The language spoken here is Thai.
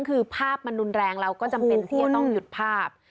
คือภาพมันรุนแรงเราก็จำเป็นที่จะต้องหยุดภาพ